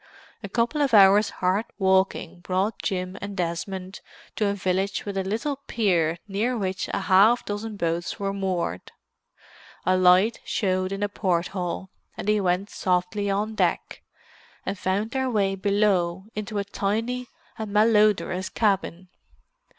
A couple of hours' hard walking brought Jim and Desmond to a village with a little pier near which half a dozen boats were moored. A light showed in a port hole, and they went softly on deck, and found their way below into a tiny and malodorous cabin.